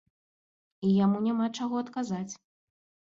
І яму няма чаго адказаць.